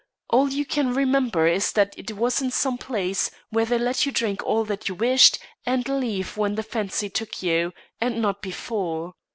All you can remember is that it was in some place where they let you drink all you wished and leave when the fancy took you, and not before.